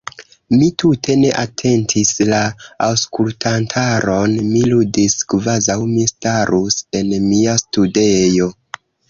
Mi tute ne atentis la aŭskultantaron; mi ludis, kvazaŭ mi starus en mia studejo.